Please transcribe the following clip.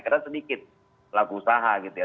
karena sedikit pelaku usaha gitu ya